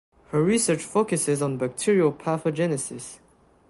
Her research focuses on bacterial pathogenesis.